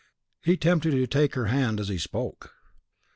He attempted to take her hand as he spoke.